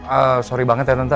eee sorry banget ya tante